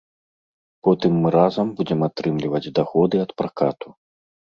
Потым мы разам будзем атрымліваць даходы ад пракату.